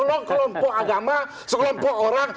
ini bukanlah kelompok agama kelompok orang